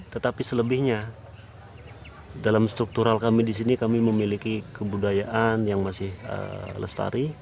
tetapi selebihnya dalam struktural kami di sini kami memiliki kebudayaan yang masih lestari